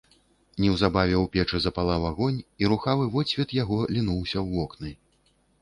Неўзабаве ў печы запалаў агонь, і рухавы водсвет яго лінуўся ў вокны.